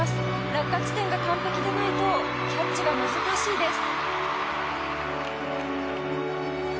落下地点が完璧でないとキャッチが難しいです。